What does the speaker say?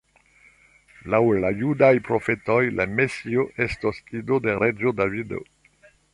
Laŭ la judaj profetoj, la Mesio estos ido de reĝo Davido.